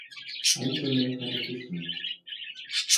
Einzelne Katechismen